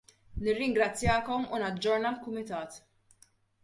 Nirringrazzjakom u naġġorna l-Kumitat.